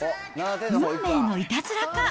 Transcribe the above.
運命のいたずらか。